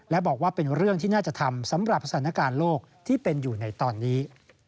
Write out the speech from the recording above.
และบอกว่าเป็นเรื่องที่น่าจะทำสำหรับสถานการณ์โลกที่เป็นอยู่ในตอนนี้